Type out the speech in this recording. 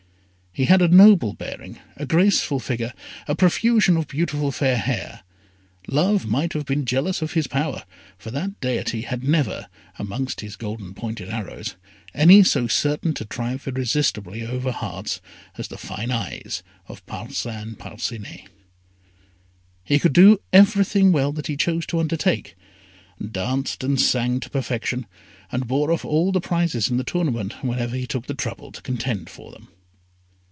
He had a noble bearing, a graceful figure, a profusion of beautiful fair hair. Love might have been jealous of his power, for that deity had never, amongst his golden pointed arrows, any so certain to triumph irresistibly over hearts as the fine eyes of Parcin Parcinet. He could do everything well that he chose to undertake danced and sang to perfection, and bore off all the prizes in the tournament whenever he took the trouble to contend for them.